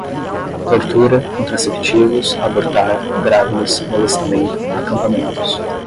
tortura, contraceptivos, abortar, grávidas, molestamento, acampamentos